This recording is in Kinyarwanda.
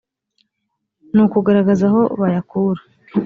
n kugaragaza aho bayakura